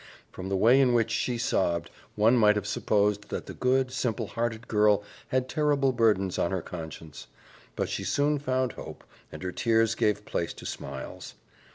From the way in which she sobbed, one might have supposed that the good, simple hearted girl had terrible burdens on her conscience; but she soon found hope, and her tears gave place to smiles.